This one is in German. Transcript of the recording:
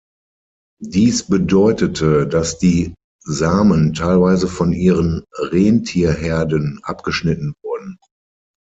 Dies bedeutete, dass die Samen teilweise von ihren Rentierherden abgeschnitten wurden.